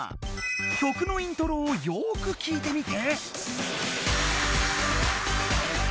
曲のイントロをよくきいてみて！